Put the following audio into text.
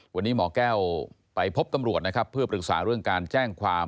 วันนี้หมอแก้วไปพบตำรวจนะครับเพื่อปรึกษาเรื่องการแจ้งความ